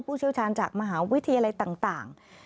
ผู้เชี่ยวชาญจากมหาวิทย์อะไรต่าง